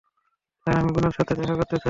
Sir, আমি গুনার সাথে দেখা করতে চাই।